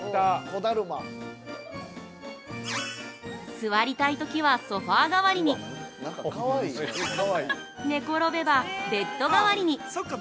◆座りたいときはソファー代わりに寝転べばベッド代わりに。